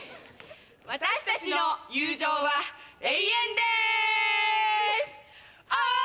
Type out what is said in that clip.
私たちの友情は永遠でーすオー